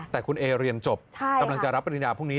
แต่คุณเอเรียนจบกำลังจะรับปริญญาพรุ่งนี้